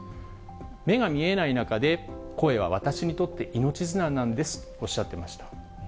目が見えない中で、声は私にとって命綱なんですとおっしゃっていました。